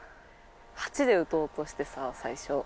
８で打とうとしてさ最初。